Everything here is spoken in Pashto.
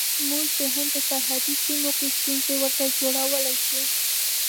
موږ د هند په سرحدي سیمو کې ستونزې ورته جوړولای شو.